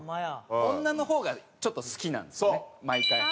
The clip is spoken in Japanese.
女の方がちょっと好きなんですよね毎回。